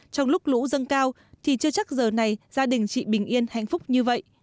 trong lúc lũ dâng cao thì chưa chắc giờ này gia đình chị bình yên hạnh phúc như vậy